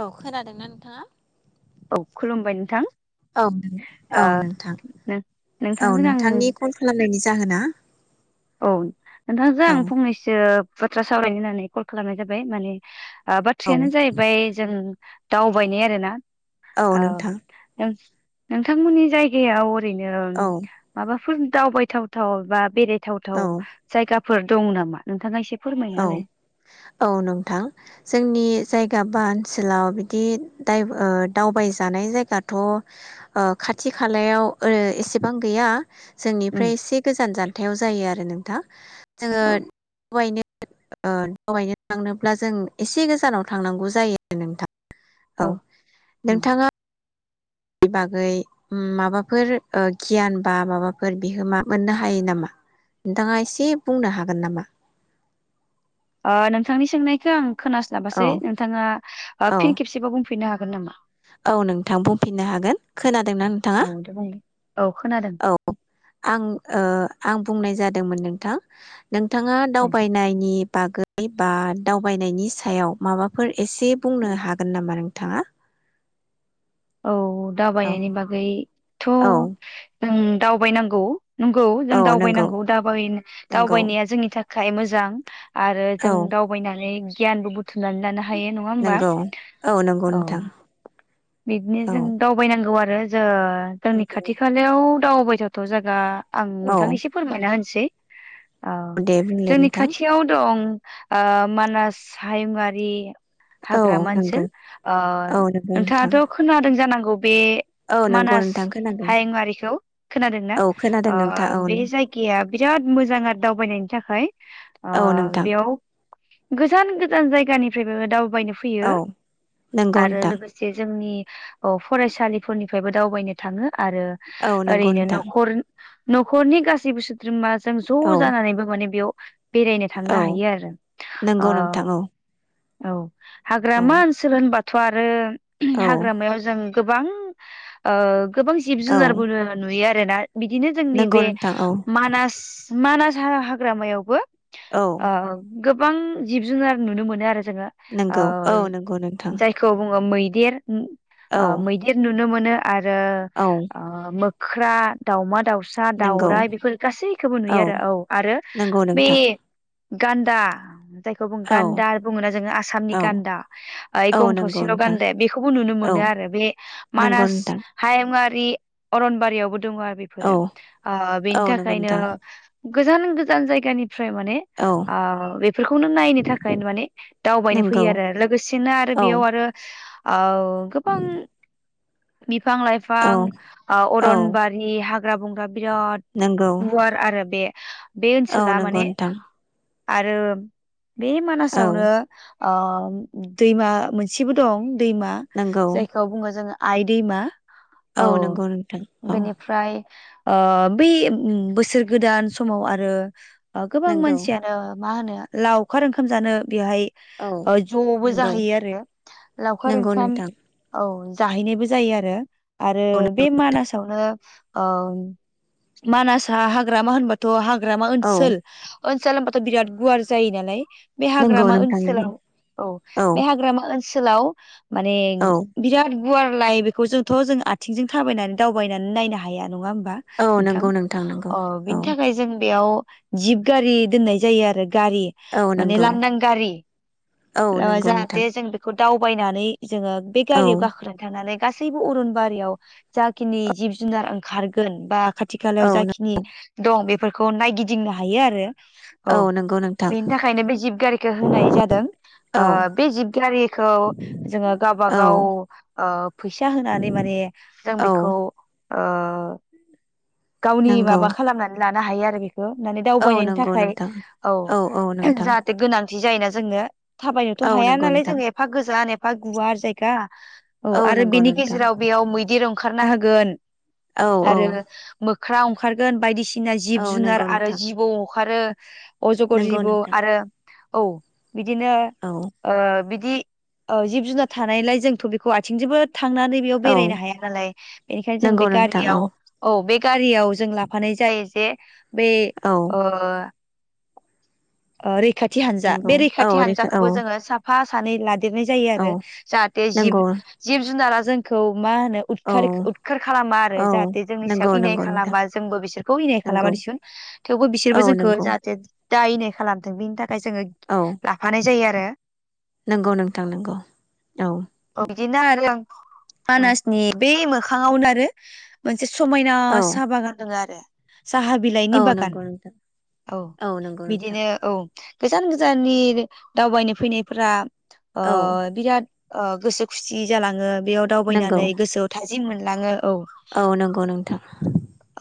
औ खोनादोंना नोंथाङा? औ खुलुमबाय नोंथां [inaudible] औ ओ औ नोंथां नों औ नोंथांजों आं नोंथांनि कल खालामनायनि जाहोना औ नोंथांजों औ आं फंनैसो बाथ्रा सावरायनो होननानै कल खालामनाय जाबाय माने औ बाथ्रायानो जाहैबाय जों दावबायनाय आरो ना औ नोंथां औ [unintelligible] नोंथांमोननि जायगायाव ओरैनो औ माबाफोर दावबायथावथाव बा बेराय थाव- औ थाव जायगा [unintelligible] दङ नामा नोंथाङा एसे फोरमायना औ होलाय औ नोंथां जोंनि जायगा बा ओनसोलाव बिदि दायब -दावबायजानाय जायगाथ' खाथि खालायाव ओ एसेबां गैया। उम जोंनिफ्राय एसे गोजान जानथायाव जायो आरो [unintelligible] [unintelligible] जोङो औ [unintelligible] ओ दावबायनो थांनोब्ला जों एसे गोजानाव थांनांगौ जायो नोंथां। औ उम नोंथाङा बागै माबाफोर गियान बा माबाफोर बिहोमा मोननो हायो नामा नोंथाङा एसे बुंनो हागोन नामा? ओ नोंथांनि सोंनायखो आं खोनास्लाबासै औ नोंथाङा औ फिन खेबसेबाव बुंफिननो [unintelligible] [unintelligible] नामा? औ नोंथां बुंफिननो हागोन खोनादोंना नोंथाङा औ दे बुंलाय औ खोनादों औ आं ओ आं बुंनाय जादोंमोन नोंथां। नोंथाङा औ दावबायनायनि बागै बा दावबायनायनि सायाव माबाफोर एसे उम बुंनो हागोन नामा नों? थाङा? औ दावबायनायनि बागैथ' औ जों दावबायनांगौ। नोंगौ जों औ नंगौ दावबायनांगौ दाबाय नंगौ -दावबायनाया जोंनि थाखाय [unintelligible] मोजां। आरो औ जों दावबायनानै गियानबो बुथुुमनानै लानो [unintelligible] होमबा नोंगौ औ नोंगौ नोंथां। बिदिनो औ जों दावबायना नांगौ आरो जो ओ जोंनि नंगौ खाथि खालायाव [unintelligible] आं औ नोंथांनो इसे फोरमायना होनोसै। औ दे बुंलाय जोंनि नोंथां खाथियाव दं। ओ मानास हायुंआरि औ हाग्रामा नंगौ ओनसोल ओ औ नंगौ नोंथां नोंथाङाथ' जादों जानांगौ। बे औ नंगौ मानास नोंथां खोनादों हायुंआरिखौ खोनादोंना औ खोनादों ओ नोंथां औ बे जायगाया बिराद मोजां आरो दावबायनायनि थाखाय। ओ औ नोंथां बेयाव गोजान गोजान जायगानिफ्रायबो दाव [unintelligible] फैयो औ नंगौ आरो नोंथां लोगोसे जोंनि औ फरायसालिफोरनिफ्रायबो दावबायनो थाङो। आरो औ नंगौ ओरैनो नोंथां न'खर न'खरनि गासैबो सोद्रोमा जों औ ज' जानानैबो माने बेयाव बेरायनो थांनो औ हायो आरो अ नंगौ नोंथां औ औ औ हाग्रामा ओनसोल होनबा [unintelligible] औ [unintelligible] [unintelligible] जों गोबां ओ गोबां जिब औ जुनारबो [unintelligible] [unintelligible] बिदिनो जोंनि नंगौ बे नोंथां औ मानास मानास हा-हाग्रामायावबो औ गोबां जिब जुनार नुनो मोनो आरो जोङो नंगौ आह औ नंगौ नोंथां जायखौ बुङो मै [unintelligible] [unintelligible] औ आह मैदेर नु नुनो मोनो आरो औ ओह मोख ख्रा दावमा दावसा दावसा नंगौ दावराइ बेफोर गासैखौबो नुयो आरो औ आरो नंगौ बे नोंथां गान्दा। जायखौ बुङो औ गान्दा आरो बुङोना जोङो आसामनि औ गान्दा ओइ औ नंगौ गंथसेल' नोंथां गान्दाया बेखौ खौ नुनो औ मोनो आरो बे नंगौ मानास नोंथां हायब [unintelligible] अरनबारियावबो दङो आरो औ बेफोरो आह औ बेनि नंगौ थाखायनो नोंथां गोजान-गोजान जायगानि फ्राय माने औ आह बेफोरखौनो नायनो थाखाय माने दावबायनो नंगौ फैयो आरो लोगोसेनो आरो औ बेयाव आरो आउ गोबां [unintelligible] बिफां लाइफां औ आह औ अरनबारि हा [unintelligible] बिराद नंगौ गुवार आरो बे बे औ ओनसोला नंगौ माने नोंथां आरो बे औ मानासावनो आहम दैमा मोनसेबो दं। दैमा नंगौ जायखौ बुङो जोङो आइ दैमा। औ नंगौ नोंथां औ। बेनिफ्राय ओ बै बोसोर गोदान समाव आरो ओ गोबां नंगौ मानसियानो मा होनो लावखार ओंखाम जानो। बेहाय औ ओ ज'बो नंगौ जाहैयो आरो। लावखार नंगौ ओंखाम। नोंथां औ जाहैनायबो जायो आरो। आरो औ बे मानास [unintelligible] ओ मानासा हाग्रामा हेनबाथ हा ग्रामा औ ओनसोल ओनसोल बिराद गुवार जायो नालाय बे नंगौ हाग्रामा नोंथां नंगौ ओनसोलाव औ बे हाग्रामा ओन सोलाव माने औ बिराद गुवार लाय बेखौ जोंथ' जों आथिंजों थाबायनानै दावबायनानै नायनो हाया नङा होम बा औ नोंथां नंगौ नंगौ ओ औ बिनि थाखाय जों बेयाव जिब गारि दोननाय जायो आरो गारि औ नंगौ लांदां गारि औ नंगौ नोंथां जाहाथे जों बेखौ बायनानै जोङो बे औ गारियाव गाखोनानै थनानै गासैबो अरनबारियाव जाखिनि जिब-जुनार ओंखारगोन बा खाथि औ खालायाव जाखिनि दं बे बेफोरखौ नायगिदिंनो हायो आरो औ नंगौ नोंथां बेनि थाखायनो बे जिब गारिखौ होनाय जादों। ओ औ बे जिब गारिखौ जोङो औ गावाबागाव ओ फैसा होनानै माने जों औ बेखौ ओ गावनि नंगौ माबा खालामनानै ला हायो आरो बे खौ माने औ दावबायनायनि नंगौ थाखाय नोंथां औ औ नोंथां जाहाथे गोनां बिदि जायो ना जोंनो थाबायनोथ' औ हाया नंगौ नालाय नोंथां जोंङो एफा गोजान ए बा गुवार जायगा औ आरो नंगौ बेनि नोंथां गेजेराव बेयाव मैदेर खारना होगोन औ औ आरो मोख्रा अंखारगोन बायदिसि ना औ नंगौ जिब-जुनार आरो नोंथां जिबआव अंखारो। अजगर नंगौ जिबौ नोंथां आरो औ बिदिनो औ ओ बिदि औ जिब जुनार थानायलाय जोंथ' बेखौ आथिंजोबो थांनानै बेयाव औ बेरायनो हाया नालाय बेनिखायनो जों बे नंगौ नोंथां औ गारियाव औ बे जों लाफानाय जायो जे बे औ ओ ओ रै खाथि हानजा नंगौ बे औ रैखाथि रैखा औ हानजाखौबो जोंङो साफ फा सानै ला देरनाय जायो औ आरो जाहाथे जिब नंगौ जिब जुनारा जोंखौ मा होनो औ उदखारिक उदखार खालामा आरो औ जाहाथे जोंनि नंगौ सायाव इनाय नंगौ नोंथां खालामा जोंबो बिसोरखौ इनाय खालामा नंगौ दिसुन थेवबो औ बिसोरबो जोंखौ नंगौ जाहाथे दा इनाय खालामदों बेनि था खाय जोंङो लाफानाय जायो आरो [unintelligible] नोंगौ नोंथां नोंगौ औ बिदिनो [unintelligible] औ मानासनि बे मोखांङावनो आरो मोन से समायना औ साहा बागान दोङो आरो साहा बिलाइनि औ बागान नंगौ नोंथां औ नंगौ नोंथां बिदिनो औ गोजान गोजाननि दावबायनो फैनायफोरा ओ औ बिराद ओ गोसो खुसि जालाङो बेयाव नंगौ दावबायनानै गोसोआव थायो जि मोनलाङो औ औ नंगौ नोंथां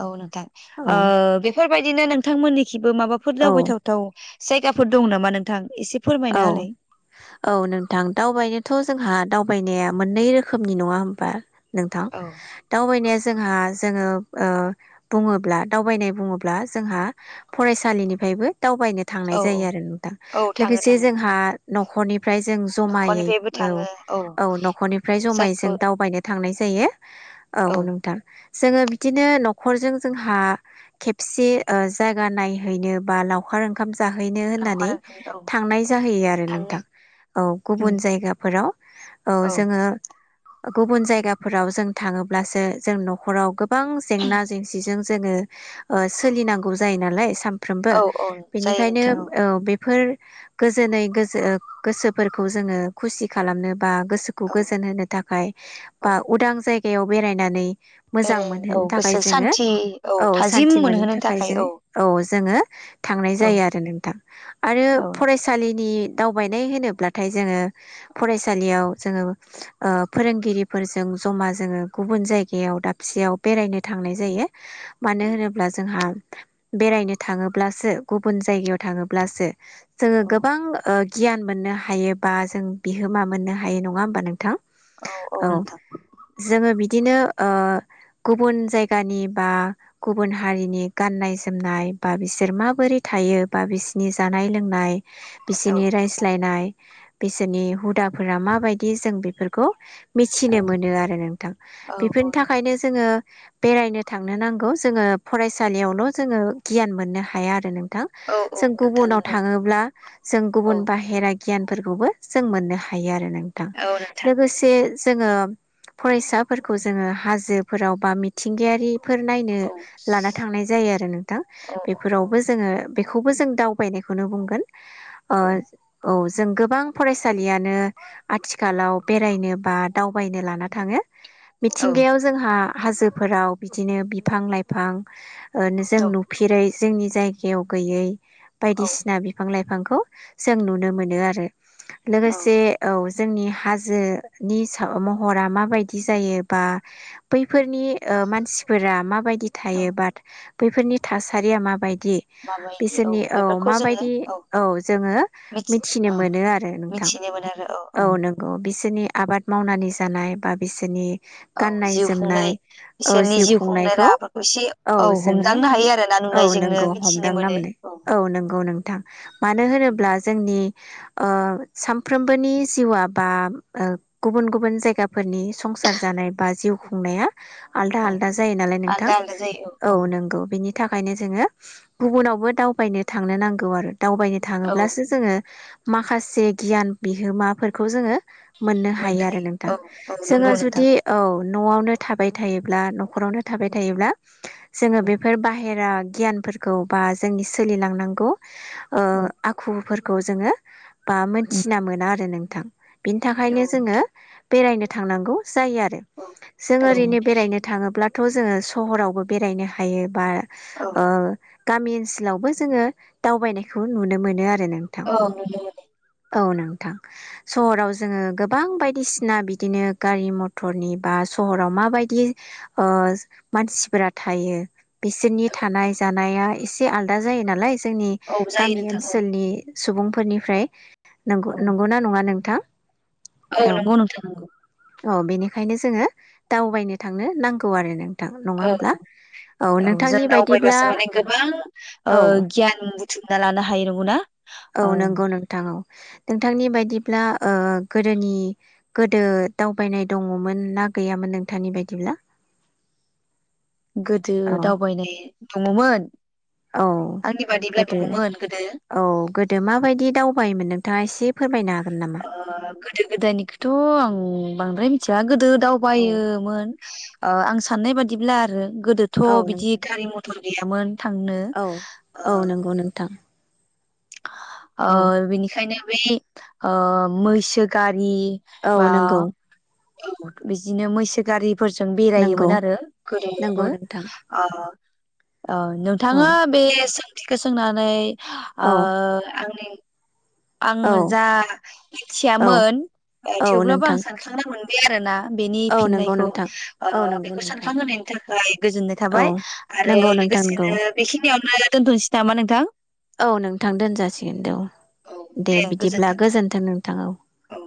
औ नोंथां औ ओ बेफोर बेबायदिनो नोंथांमोननि थिबो माबाफोर औ दावबायथावथाव जायगाफोर दं नामा नोंथां एसे औ फोरमायना होलाय औ नोंथां दावबायनोथ' जोंहा दावबायनाया मोननै रोखोमनि नङा होमबा नोंथां औ दावबायनाया जोंहा जोङो ओ बुङोब्ला दावबायनाय बुङोब्ला जोंहा फरायसालिनिफ्रायबो दावबायनो थांनाय औ औ जायो आरो नोंथां औ लोगोसे थाङो से थाङो जोंहा न'खरनि फ्राय जों जमायै न'खरनिफ्रायबो औ थाङो औ न'ख'रनिफ्राय जमायै जों जायखौ दावबायनो थांनाय जा जायो। औ नोंथां। जोङो बिदिनो न'खरजों जोंहा खेबसे ओ जायगा नायहैनो बा लावखार ओंखाम जाहैनो लावखार होननानै ओंखाम औ थांनाय जाहैयो आरो थांनो नोंथां औ गुबुन जायगाफोराव औ जोङो गुबुन जायगाफोराव जों थाङोब्लासो जों न'खराव गो बां जेंना जेंसिजों जोङो ओ सोलिनांगौ जायो नालाय साम फ्रोमबो औ औ जायो बेनिखायनो नोंथां औ बे फोर गोजोनै गोजो गोसोफोरखौ जोङो खुसि खालामनो बा गोसोखौ औ गोजोन होनो थाखाय बा औ उदां जाय बेयाव बेरायनानै मोजां बेराय औ मोनहोनो थाखाय गोसो जोङो सान्थि औ थाजिम सान्थि मोननो मोनहोनो थाखाय जो औ जोङो थांनाय औ जायो आरो नोंथां आरो औ फरायसालिनि दावबायनाय होनोब्लाथाय जोङो फरायसालियाव जोङो ओ फोरोंगिरिफोरजों जमा जोङो गुबुन जायगायाव दाबसेयाव बेरायनो थांनाय जायो मानो होनोब्ला जोंहा बेरायनो थाङोब्लासो गुबुन जायगायाव थाङोब्लासो जोङो औ गोबां ओ गियान मोननो हायोबा जों बिहोमा मोननो हायो नङा होमबा नोंथां। औ जोङो बिदिनो ओ गुबुन जायगानि बा गुबुन हारिनि गाननाय जोमनाय बा बिसोर माबोरै थायो बा बिसोरनि जानाय लोंनाय नाय औ बिसिनि रायज्लायनाय बिसोरनि हुद दाफोरा माबायदि जों बेफोरखौ खौ मिथिनो औ मोनो आरो नोंथां औ औ बेफोरनि नोंथां थाखायनो जोङो। बेरायनो थांनो नांगौ जोङो फरायसालियावल' जोङो गियान मोननो हाया आरो नों थां औ औ जों नोंथां गुबुनाव नंगौ थाङोब्ला जों औ गुबुन बाहेरा गियानफोरखौबो जों मोननो हायो आरो नों थां औ नोंथां लोगोसे जोङो फरायसाफोरखौ जोङो हाजोफोराव बा मिथिंगायारि फोर नायनो औ लाना थांनाय जायो आरो नोंथां औ बेफोरावबो जोङो खौबो जों दावबायदों बेखौनो बुंगोन। ओ औ औ जों गोबां फरायसालियानो आथिखालाव बेरायनो बा दावबायनो लाना थाङो। मिथिंगायाव जोंहा हाजोफोराव बिदिनो बिफां लाइफां ओ जों नुफेरै जोंनि जायगायाव गैयै औ बायदिसिना बिफां लाइफां बिफांखौ जों नुनो मोनो आरो। औ लोगोसे औ जोंनि हाजोनि सा महरा माबायदि जायोबा बै फोरनि ओ मानसिफोरा माबायदि औ थायो बाट बैफोरनि थासारिया माबायदि दि माबायदि बिसोरनि। औ बेफोरखौ जोङो माबायदि औ जोङो मिथि मिथिनो औ मोनो आरो नोंथां मिथिनो मोनो आरो औ नंगौ। बिसोरनि आबाद मावनानै जानाय बा बिसोरनि। औ गाननाय जिउ खुंनाय जोमनाय औ बिसोरनि जिउ खुंनाय खुंनायखौ राहाफोरखौ एसे औ हमदांनो हायो आरो ना औ नुनाय जोंनो नंगौ मिथिनो हमदांना मोनो। औ नंगौ नों। मानो होनोब्ला जोंनि ओ सानफ्रोमबोनि जिउआ बा ओ गुबुन गुबुन जायगाफोरनि संसार जानाय बा जिउ खुंनाया। आलदा औ आलदा जायो नालाय नोंथां आलदा आलदा जायो औ नंगौ बिनि। थाखायनो जोङो गुबुनावबो दाउ। बायनो थांनो नांगौ आरो। दावबायनो औ थाङोब्लासो जोङो। माखासे गियान बिहोमाफोरखौ जोङो मोननो हायो आरो नोंथां औ औ जोङो नंगौ नोंथां जुदि औ न'आवनो थाबाय थायोब्ला न'खरावनो थाबाय थायोब्ला। जोङो औ बेफोर बाहेरा गियानफोरखौ बा जोंनि सि सोलिलांनांगौ ओ औ आखु फोर खौ जोङो बा उम मोनथिना मोना आरो नों थां बिनि औ थाखायनो जोङो नोंथां बेरायनो थांनांगौ। जायो आरो औ जों ओरैनो बेरायनो थाङोब्लाथ' जोङो सहरावबो बेरायनो हायो बा औ ओ गामि ओस लावबो जोङो दावबायनायखौ नुनो मोनो आरो नोंथां औ मोनो औ नोंथां सहराव जों गोबां बायदिसिना बिदिनो गारि मथरनि बा सहराव माबायदियै ओ मानसिफोरा थायो बिसोरनि थानाय जानाया एसे आलदा जायो नालाय जोंनि औ जायो गामि नोंथां ओनसोलनि सुबुंफोरनिफ्राय नंगौ औ औ नंगौना नङा नोंथां औ नोंगौ नोंथां नंगौ अ बेनिखायनो जोङो दावबायनो थांनो नांगौ आरो नों औ औ जों बायदिब्ला दावबायबासो माने गोबां ओ औ गियान बुथुमना लानो हायो नंगौना औ नंगौ नोंथां औ नोंथांनि बायदिब्ला गोदोनि गोदो दावबायनाय दङमोन ना गैयामोन नोंथांनि बायदिब्ला गोदो औ दावबायनाय दङमोन औ आंनि बादिब्ला गोदो दङमोन गोदो औ गोदो माबायदि दावबाय मोनों दा एसे फोरमायनाागोन [inaudible] ओ गोदो गोदायनिखौथ' आं बांद्राय मिथि [inaudible] जा गोदो [unintelligible] औ दावबायोमोन आं साननाय बादिब्ला आरो [unintelligible] गोदोथ' औ बिदि नोंथां गारि मथर गैयामोन थांनो औ औ नंगौ नोंथां ओ औ बिनिखायनो [unintelligible] मै ओ मैसो गारि [unintelligible] औ नि बा नंगौ [unintelligible] बिदिनो मैसो गारि [unintelligible] फोरजों नंगौ बेरायोमोन आरो नंगौ गोदोबो नोंथां ओ [unintelligible] औ औ नोंथाङा बे [inaudible] खौ सोंनानै [unintelligible] औ आ आंनि [unintelligible] औ आङो जा औ मिथियामोन औ थेवब्लाबो आं नोंथां सानखांनो मोन [inaudible] बेआरोना [unintelligible] बेनि औ नंगौ फिननायखौ नोंथां ओ औ नंगौ बेखौ नोंथां सानखांहोनायनि थाखाय गोजोननाय औ थाबाय आरो नंगौ नोंथां नंगौ लोगोसेनो बेखिनियावनो दोनथ'सै नामा नोंथां औ नोंथां दोनजासिगोन औ दे बिदिब्ला गोजोन्थों नोंथां औ औ।